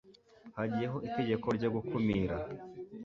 hagiyeho itegeko ryo gukumira